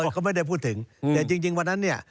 เขาไม่ได้พูดถึงแต่จริงวันนั้นเนี่ย